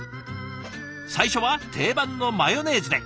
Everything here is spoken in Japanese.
最初は定番のマヨネーズで。